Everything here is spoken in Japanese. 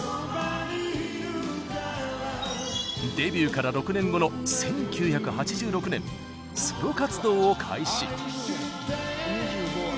デビューから６年後の１９８６年ソロ活動を開始。